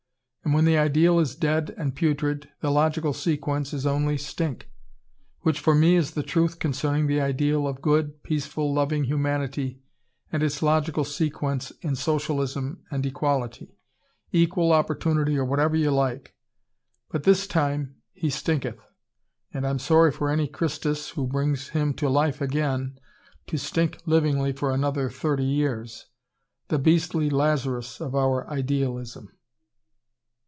And when the ideal is dead and putrid, the logical sequence is only stink. Which, for me, is the truth concerning the ideal of good, peaceful, loving humanity and its logical sequence in socialism and equality, equal opportunity or whatever you like. But this time he stinketh and I'm sorry for any Christus who brings him to life again, to stink livingly for another thirty years: the beastly Lazarus of our idealism."